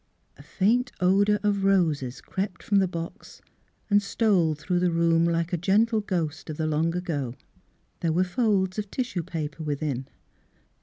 A faint odour of roses crept from the box and stole through the room, like a gentle ghost of the long ago. There were folds of tissue paper within.